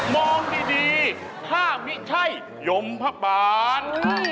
มองดีถ้าไม่ใช่ยมพระบาล